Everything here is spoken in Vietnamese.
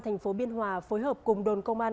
thành phố biên hòa phối hợp cùng đồn công an